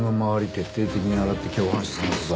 徹底的に洗って共犯者捜すぞ。